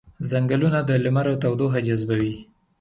ځنګلونه د لمر تودوخه جذبوي